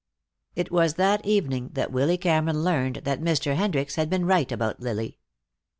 It was that evening that Willy Cameron learned that Mr. Hendricks had been right about Lily.